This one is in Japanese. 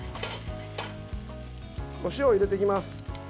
お塩を入れていきます。